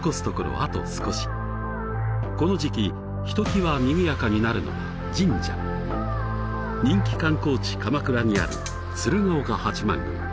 あと少しこの時期ひときわにぎやかになるのが神社人気観光地鎌倉にある鶴岡八幡宮